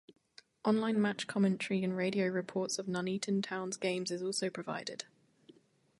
Online match commentary and radio reports of Nuneaton Town's games is also provided.